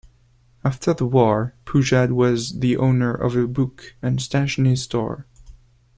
After the war, Poujade was the owner of a book and stationery store.